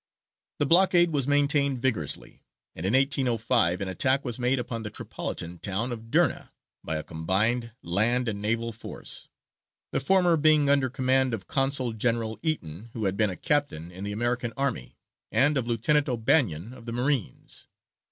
The blockade was maintained vigorously, and in 1805 an attack was made upon the Tripolitan town of Derna, by a combined land and naval force; the former being under command of Consul General Eaton, who had been a captain in the American army, and of Lieutenant O'Bannon of the Marines.